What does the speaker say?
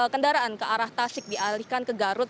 kendaraan ke arah tasik dialihkan ke garut